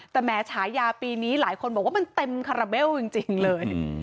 แต่แม้ฉายาปีนี้หลายคนบอกว่ามันเต็มคาราเบลจริงเลย